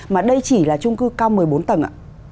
mà đây chỉ là trung cư cao một mươi bốn tầng ạ